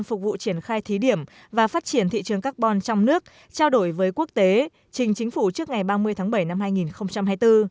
phục vụ triển khai thí điểm và phát triển thị trường carbon trong nước trao đổi với quốc tế trình chính phủ trước ngày ba mươi tháng bảy năm hai nghìn hai mươi bốn